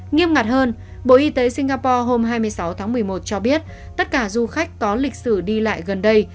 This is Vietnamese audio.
nghiêm ngặt hơn bộ y tế singapore hôm hai mươi sáu tháng một mươi một cho biết tất cả du khách có lịch sử đi lại gần đây